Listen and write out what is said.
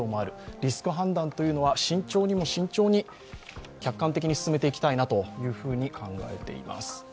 リスク判断は慎重にも慎重に、客観的に進めていきたいと考えています。